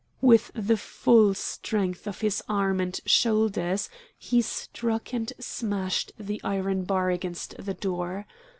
With the full strength of his arms and shoulders he struck and smashed the iron bar against the door.